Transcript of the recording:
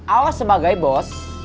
awas sebagai bos